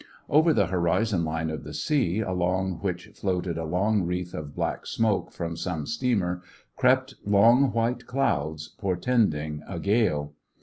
Over the horizon line of the sea, along which floated a long wreath of black smoke from some steamer, crept long white clouds, portending a gale.